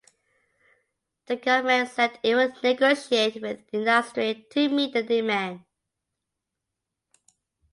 The government said it will negotiate with industry to meet the demand.